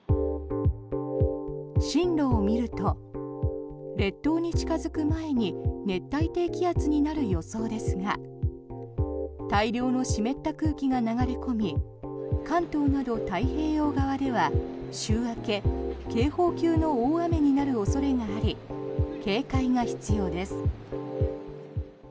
進路を見ると、列島に近付く前に熱帯低気圧になる予想ですが大量の湿った空気が流れ込み関東など太平洋側では週明け警報級の大雨になる恐れがあり警戒が必要です。